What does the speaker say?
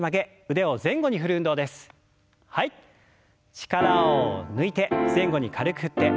力を抜いて前後に軽く振って。